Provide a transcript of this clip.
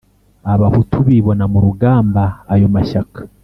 Abahutu bibona mu rugamba ayo mashyaka